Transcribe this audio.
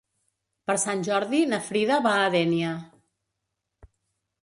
Per Sant Jordi na Frida va a Dénia.